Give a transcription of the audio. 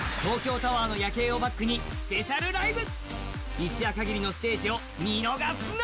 一夜かぎりのステージを見逃すな！